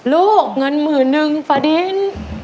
ลูกงานหมื่นนึงฝดิน